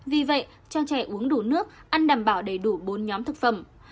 vì vậy cho trẻ uống đủ nước ăn đảm bảo đầy đủ bốn nhóm thực phẩm